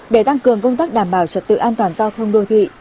để tăng cường công tác đảm bảo trật tự an toàn giao thông đô thị